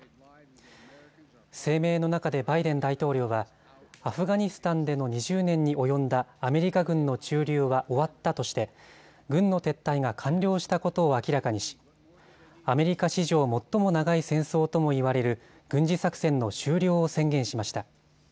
声明の中でバイデン大統領はアフガニスタンでの２０年に及んだアメリカ軍の駐留は終わったとして軍の撤退が完了したことを明らかにしアメリカ史上、最も長い戦争とも言われる軍事作戦の終了を宣言しました。